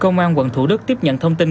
công an quận thủ đức tiếp nhận thông tin